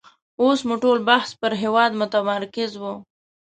اوس مو ټول بحث پر هېواد متمرکز وو.